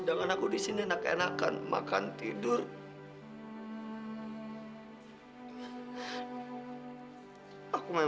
mau bayar fisioterapi antoni pakai cara apa lagi